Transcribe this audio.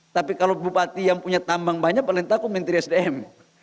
tapi kalau bupati yang punya tambang banyak paling takut menteri sdm